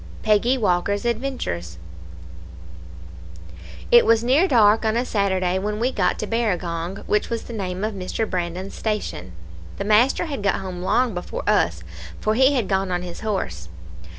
Peggy Walker's Adventures "It was near dark on a Saturday when we got to Barragong, which was the name of Mr. Brandon's station. The master had got home long before us, for he had gone on his horse.